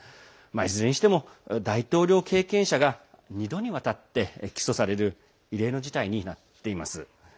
いずれにしても、大統領経験者が２度にわたって起訴される異例の事態になっています。